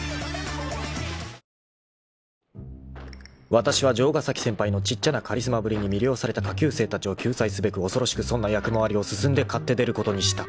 ［わたしは城ヶ崎先輩のちっちゃなカリスマぶりに魅了された下級生たちを救済すべく恐ろしく損な役回りを進んで買って出ることにした］